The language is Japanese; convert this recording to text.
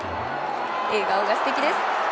笑顔が素敵です。